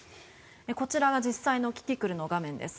こちらが実際のキキクルの画面です。